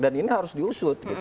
dan ini harus diusut